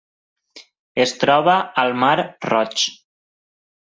Es troba al mar Roig.